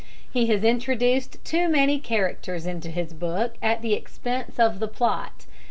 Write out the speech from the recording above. He has introduced too many characters into his book at the expense of the plot.